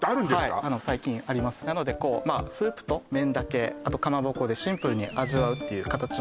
はい最近ありますなのでスープと麺だけあとかまぼこでシンプルに味わうっていう形もあるので